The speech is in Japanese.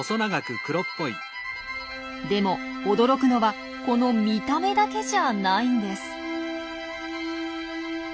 でも驚くのはこの見た目だけじゃないんです。